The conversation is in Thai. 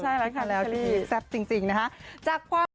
ใช่แล้วค่ะแล้วที่แซ่บจริงนะคะ